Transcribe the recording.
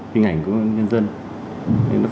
hình ảnh của công an nhân dân